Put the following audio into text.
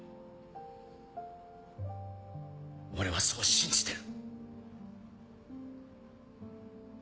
俺はそう信じてる。